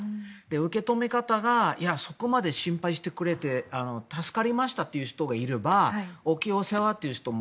受け止め方がいや、そこまで心配してくれて助かりましたっていう人もいれば大きいお世話という人も。